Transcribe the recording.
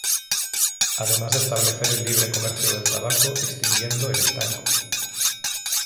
Además de establecer el libre comercio del tabaco extinguiendo el estanco.